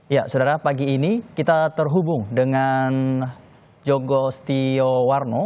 ya saudara pagi ini kita terhubung dengan jogo stiowarno